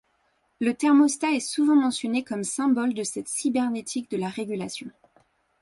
Le thermostat est souvent mentionné comme symbole de cette cybernétique de la régulation.